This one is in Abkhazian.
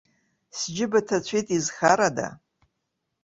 Сџьыба ҭацәит, изхарада?